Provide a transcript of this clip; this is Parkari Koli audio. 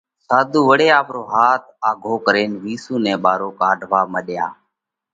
ساڌُو وۯي آپرو هاٿ آگھو ڪرينَ وِيسُو نئہ ٻارو ڪاڍوا مڏيا۔